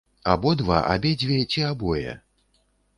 Абодва, абедзве ці абое?